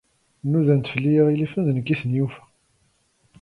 Nudan fell-i yiɣilifen, d nekk i ten-yufa.